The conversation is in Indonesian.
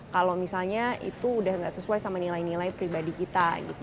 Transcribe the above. kalau misalnya itu udah gak sesuai sama nilai nilai pribadi kita